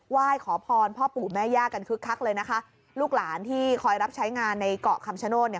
ไหว้ขอพรพ่อปู่แม่ย่ากันคึกคักเลยนะคะลูกหลานที่คอยรับใช้งานในเกาะคำชโนธเนี่ย